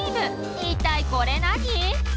一体これ何？